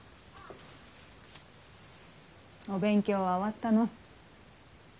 お勉強は終わったの？